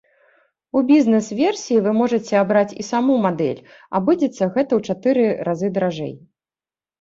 У бізнэс-версіі вы можаце абраць і саму мадэль, абыдзецца гэта ў чатыры разы даражэй.